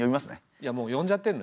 いやもう呼んじゃってんのよ。